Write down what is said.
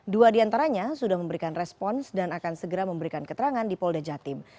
dua diantaranya sudah memberikan respons dan akan segera memberikan keterangan di polda jatim